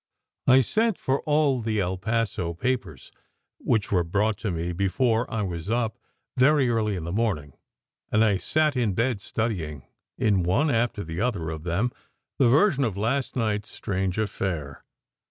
I sent for all the El Paso papers, which were brought to me before I was up, very early in the morning; and I sat in bed studying, in one after the other of them, the version of last night s strange affair.